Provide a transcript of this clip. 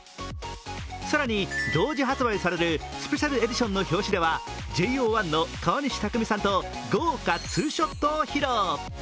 更に、同時発売されるスペシャルエディションの表紙ではＪＯ１の川西拓実さんと豪華ツーショットを披露。